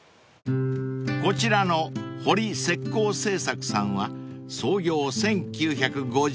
［こちらの堀石膏制作さんは創業１９５０年］